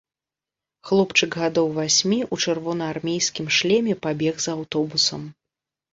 Хлопчык гадоў васьмі ў чырвонаармейскім шлеме пабег за аўтобусам.